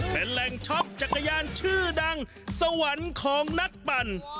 เป็นแหล่งช็อปจักรยานชื่อดังสวรรค์ของนักปั่น